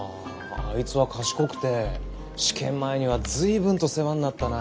あいつは賢くて試験前には随分と世話になったなあ。